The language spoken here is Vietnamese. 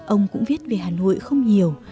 ông cũng viết về hà nội không nhiều